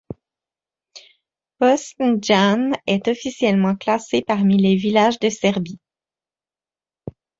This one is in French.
Bošnjane est officiellement classé parmi les villages de Serbie.